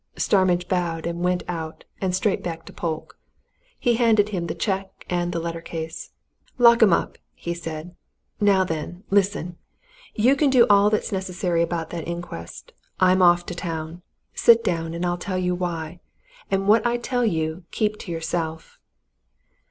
Starmidge bowed and went out and straight back to Polke. He handed him the cheque and the letter case. "Lock 'em up!" he said. "Now then, listen! You can do all that's necessary about that inquest. I'm off to town. Sit down, and I'll tell you why. And what I tell you, keep to yourself."